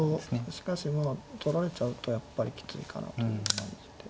しかしまあ取られちゃうとやっぱりきついかなという感じで。